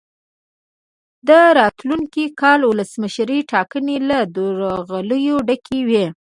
د راتلونکي کال ولسمشرۍ ټاکنې له درغلیو ډکې وې.